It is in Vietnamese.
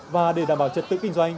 và để đảm bảo trật tự kinh doanh